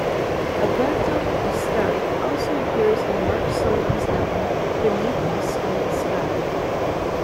Alberto Ascari also appears in Mark Sullivan's novel "Beneath a scarlet sky".